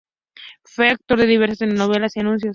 Fue actor de diversas telenovelas y anuncios.